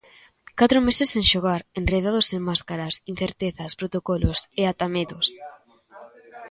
Catro meses sen xogar, enredados en máscaras, incertezas, protocolos, e ata medos.